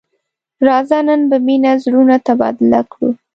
راځه نن په مینه زړونه تبادله کړو.